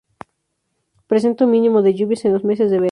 Presenta un mínimo de lluvias en los meses de verano.